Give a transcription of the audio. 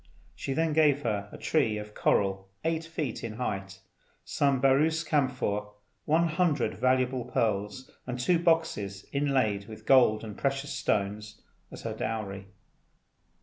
She then gave her a tree of coral eight feet in height, some Baroos camphor, one hundred valuable pearls, and two boxes inlaid with gold and precious stones, as her dowry.